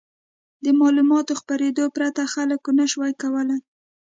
د معلوماتو خپرېدو پرته خلکو نه شوای کولای.